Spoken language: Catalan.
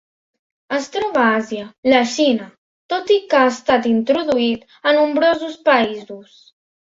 Es troba a Àsia: la Xina, tot i que ha estat introduït a nombrosos països.